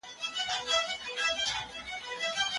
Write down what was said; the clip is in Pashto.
ستاسې کړنې باید مانا ولري.